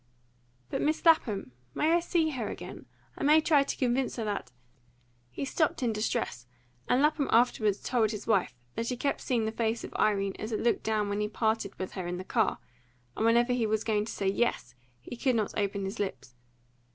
"But Miss Lapham! I may see her again? I may try to convince her that " He stopped in distress, and Lapham afterwards told his wife that he kept seeing the face of Irene as it looked when he parted with her in the car; and whenever he was going to say yes, he could not open his lips.